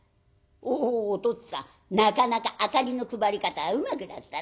「おうおとっつぁんなかなか明かりの配り方うまくなったな。